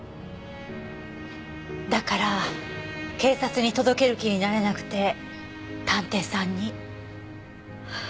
だから警察に届ける気になれなくて探偵さんに？